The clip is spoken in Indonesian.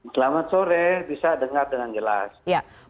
selamat sore bisa dengar dengan jelas